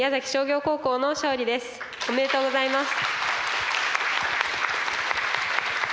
おめでとうございます。